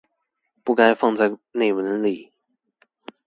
不該放在內文裡